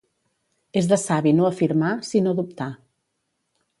És de savi no afirmar, sinó dubtar.